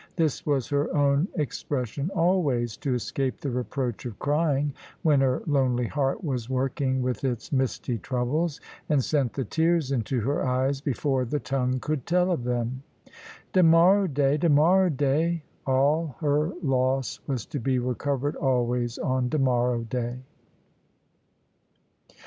This was her own expression always, to escape the reproach of crying, when her lonely heart was working with its misty troubles, and sent the tears into her eyes, before the tongue could tell of them. "Demorrow day, demorrow day," all her loss was to be recovered always on "demorrow day."